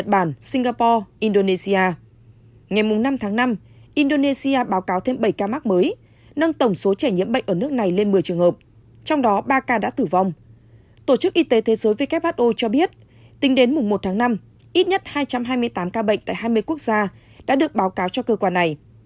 tính đến mùng một tháng năm ít nhất hai trăm hai mươi tám ca bệnh tại hai mươi quốc gia đã được báo cáo cho cơ quan này